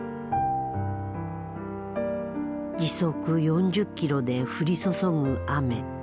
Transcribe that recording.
時速４０キロで降り注ぐ雨。